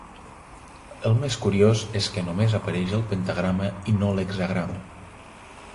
El més curiós és que només apareix el pentagrama i no l'hexagrama.